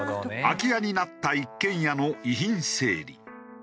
空き家になった一軒家の遺品整理。